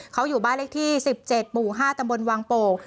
เขาอยู่บ้านเลขที่๑๗หมู่๕ตำบลวังโป่ง